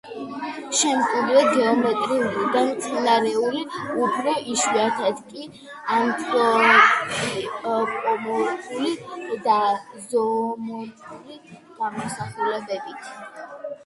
შემკულია გეომეტრიული და მცენარეული, უფრო იშვიათად კი ანთროპომორფული და ზოომორფული გამოსახულებებით.